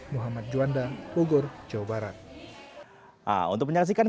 muhammad juanda bogor jawa barat